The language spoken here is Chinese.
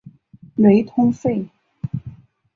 雷通费。